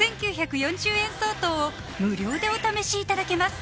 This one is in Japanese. ５９４０円相当を無料でお試しいただけます